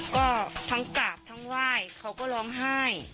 ก็ทั้งกราบทั้งไหว้เขาก็ร้องไห้